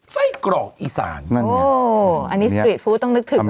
ไส้กรอกอีสานนั่นไงโอ้อันนี้สตรีทฟู้ดต้องนึกถึงนะ